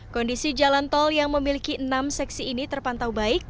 kondisi jalan tol yang memiliki enam seksi ini terpantau baik